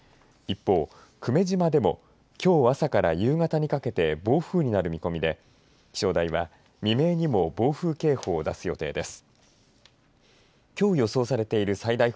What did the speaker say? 一方、久米島でもきょう朝から夕方にかけて暴風になる見込みで未明にも暴風警報を出す予定です。